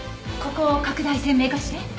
ここを拡大鮮明化して。